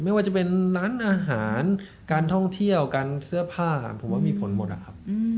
ไม่ว่าจะเป็นร้านอาหารการท่องเที่ยวการเสื้อผ้าผมว่ามีผลหมดนะครับ